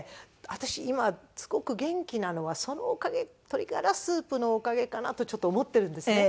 私今すごく元気なのはそのおかげ鶏がらスープのおかげかなとちょっと思ってるんですね。